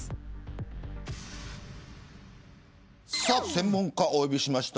専門家をお呼びしました。